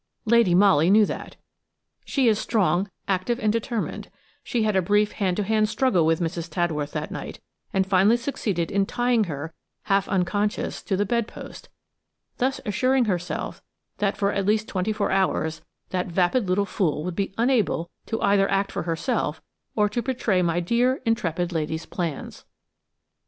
Lady Molly knew that. She is strong, active and determined; she had a brief hand to hand struggle with Mrs. Tadworth that night, and finally succeeded in tying her, half unconscious, to the bedpost, thus assuring herself that for at least twenty four hours that vapid little fool would be unable to either act for herself or to betray my dear, intrepid lady's plans.